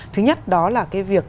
thứ nhất đó là cái việc